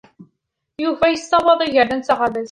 Yuba yessawaḍ igerdan s aɣerbaz.